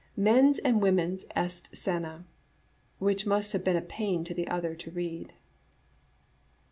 Mens and Womens est Sana^ which must have been a pain to the other to read.